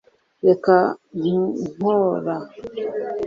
reka kuntora